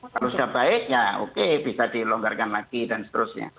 kalau sudah baik ya oke bisa dilonggarkan lagi dan seterusnya